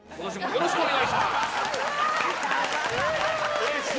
よろしくお願いします。